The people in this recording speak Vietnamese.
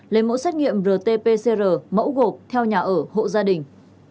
tại các khu vực có nguy cơ và các khu vực khác lấy mẫu xét nghiệm rt pcr mẫu gộp theo nhà ở hộ gia đình